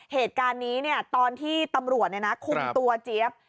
เหตุการณ์นี้เนี่ยตอนที่ตำรวจนะนะคุมตัวเจี๊๊พครับ